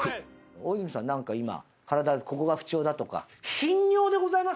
大泉さん何か今体ここが不調だとか。